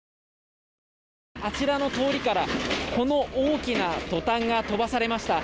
あちらの通りからこの大きなトタンが飛ばされました。